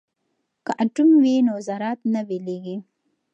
که اټوم وي نو ذرات نه بېلیږي.